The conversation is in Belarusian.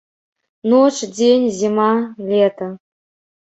Ноч, дзень, зіма, лета.